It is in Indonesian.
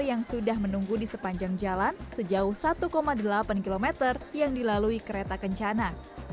yang sudah menunggu di sepanjang jalan sejauh satu delapan km yang dilalui kereta kencana